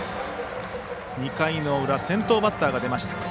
２回の裏、先頭バッターが出ました。